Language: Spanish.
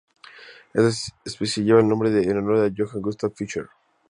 Esta especie lleva el nombre en honor a Johann Gustav Fischer.